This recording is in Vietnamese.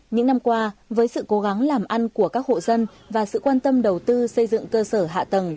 những năm qua với sự cố gắng làm ăn của các hộ dân và sự quan tâm đầu tư xây dựng cơ sở hạ tầng